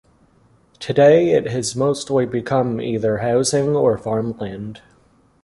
Today, it has mostly become either housing or farmland.